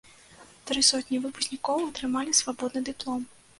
Тры сотні выпускнікоў атрымалі свабодны дыплом.